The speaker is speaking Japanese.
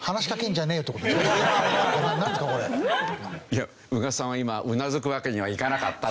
いや宇賀さんは今うなずくわけにはいかなかった。